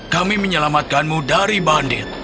kami menyelamatkanmu dari bandit